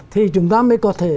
thì chúng ta mới có thể